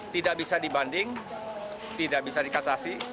tidak bisa dibanding tidak bisa dikasasi